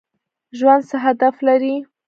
ژوند څه هدف لري؟